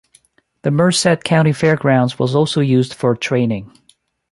The Merced County Fairgrounds was also used for training.